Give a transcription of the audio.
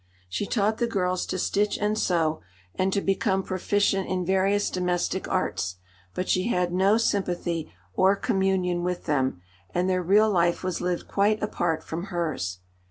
She taught the girls to stitch and sew, and to become proficient in various domestic arts, but she had no sympathy or communion with them, and their real life was lived quite apart from hers.